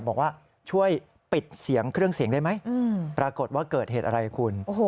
บอกว่าช่วยปิดเสียงเครื่องเสียงได้ไหมปรากฏว่าเกิดเหตุอะไรคุณ